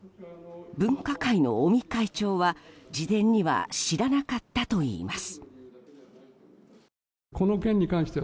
分科会の尾身会長は事前には知らなかったといいます。